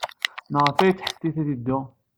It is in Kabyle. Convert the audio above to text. Maɣef ay yettḥettit ad yeddu?